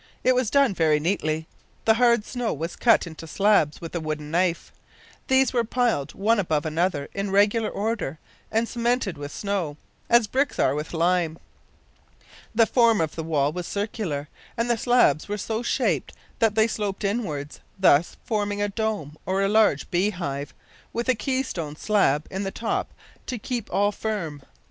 It was done very neatly. The hard snow was cut into slabs with a wooden knife. These were piled one above another in regular order, and cemented with snow as bricks are with lime. The form of the wall was circular, and the slabs were so shaped that they sloped inwards, thus forming a dome, or large bee hive, with a key stone slab in the top to keep all firm.